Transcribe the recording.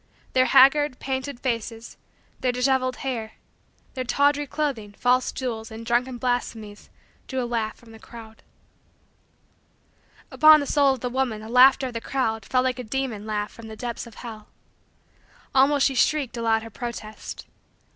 Their haggard, painted, faces, their disheveled hair, their tawdry clothing, false jewels, and drunken blasphemies, drew a laugh from the crowd. Upon the soul of the woman the laughter of the crowd fell like a demon laugh from the depths of hell. Almost she shrieked aloud her protest.